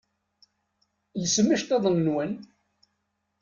Lsem iceṭṭiḍen-nwen!